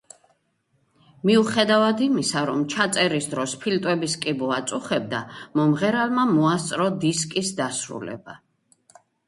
მიუხედავად იმისა, რომ ჩაწერის დროს ფილტვების კიბო აწუხებდა, მომღერალმა მოასწრო დისკის დასრულება.